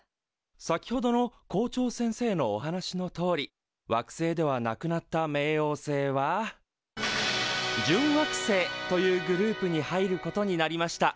先ほどの校長先生のお話のとおり惑星ではなくなった冥王星は準惑星というグループに入ることになりました。